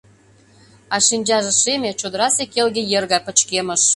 А шинчаже шеме, чодырасе келге ер гай, пычкемыш.